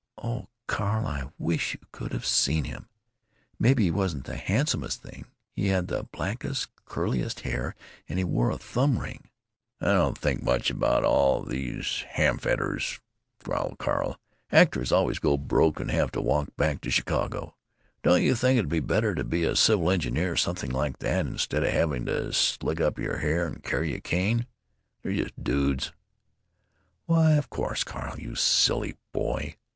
Oh, Carl, I wish you could have seen him! Maybe he wasn't the handsomest thing! He had the blackest, curliest hair, and he wore a thumb ring." "I don't think much of all these hamfatters," growled Carl. "Actors always go broke and have to walk back to Chicago. Don't you think it 'd be better to be a civil engineer or something like that, instead of having to slick up your hair and carry a cane? They're just dudes." "Why! of course, Carl, you silly boy!